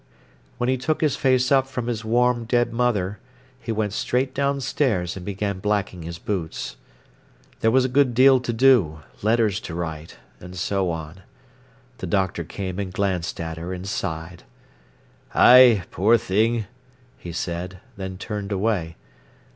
When he took his face up from his warm, dead mother he went straight downstairs and began blacking his boots. There was a good deal to do, letters to write, and so on. The doctor came and glanced at her, and sighed. "Ay—poor thing!" he said, then turned away.